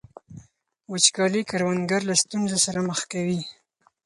وچکالي کروندګر له ستونزو سره مخ کوي.